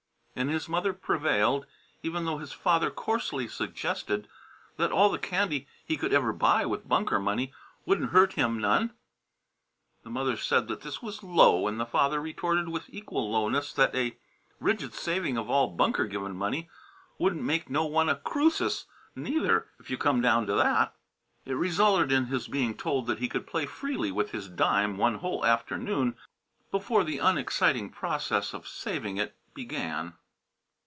And his mother prevailed, even though his father coarsely suggested that all the candy he could ever buy with Bunker money wouldn't hurt him none. The mother said that this was "low," and the father retorted with equal lowness that a rigid saving of all Bunker given money wouldn't make no one a "Croosus," neither, if you come down to that. It resulted in his being told that he could play freely with his dime one whole afternoon before the unexciting process of saving it began.